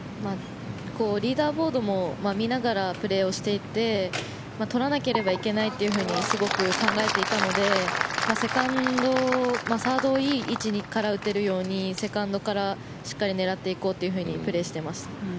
リーダーボードも見ながらプレーをしていて取らなければいけないとすごく考えていたのでセカンドサードをいい位置から打てるようにセカンドからしっかり狙っていこうとプレーしていました。